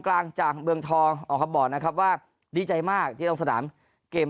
กลางจากเมืองทองออกมาบอกนะครับว่าดีใจมากที่ลงสนามเกม